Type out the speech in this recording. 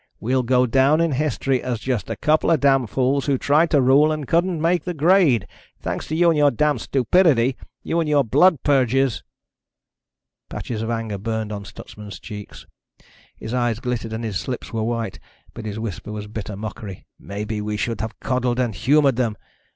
We'll go down in history as just a couple of damn fools who tried to rule and couldn't make the grade. Thanks to you and your damned stupidity. You and your blood purges!" Patches of anger burned on Stutsman's cheeks. His eyes glittered and his lips were white. But his whisper was bitter mockery. "Maybe we should have coddled and humored them.